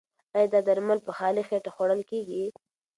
ایا دا درمل په خالي خېټه خوړل کیږي؟